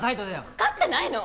わかってないの！？